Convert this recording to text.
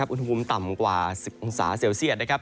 อุณหภูมิต่ำกว่า๑๐องศาเซลเซียตนะครับ